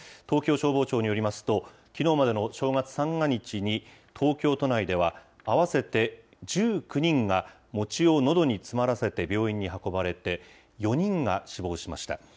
東京消防庁によりますと、きのうまでの正月三が日に、東京都内では合わせて１９人が、餅をのどに詰まらせて病院に運ばれて、４人が死亡しました。